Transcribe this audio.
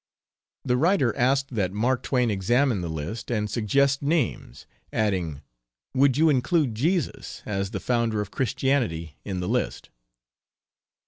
The writer asked that Mark Twain examine the list and suggest names, adding "would you include Jesus, as the founder of Christianity, in the list?"